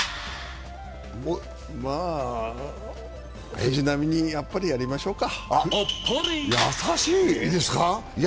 まぁ、藤浪にやっぱりやりましょうか。